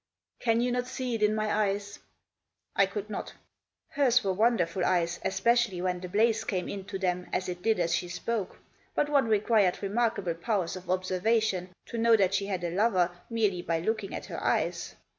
"" Can you not see it in my eyes ?" Digitized by SUSIE. 129 I could not. Hers were wonderful eyes, especially when the blaze came into them as it did as she spoke. But one required remarkable powers of observation to know that she had a lover merely by looking at her eyes.